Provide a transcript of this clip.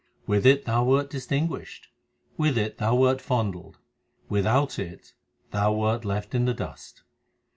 With it thou wert distinguished, With it thou wert fondled ; Without it thou wert left in the dust.